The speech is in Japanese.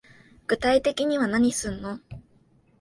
具体的には何すんの